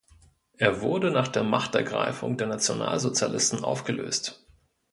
Er wurde nach der Machtergreifung der Nationalsozialisten aufgelöst.